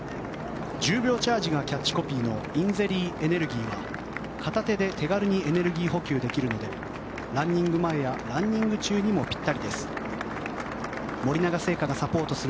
１０秒チャージがキャッチコピーのｉｎゼリーエネルギーは片手で手軽にエネルギー補給できるのでランニング前やランニング中にもぴったりです。